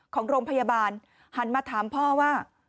ของโรงพยาบาลหันมาถามพ่อว่า